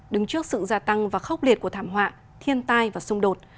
đứng trước sự gia tăng và khốc liệt của thảm họa thiên tai và xung đột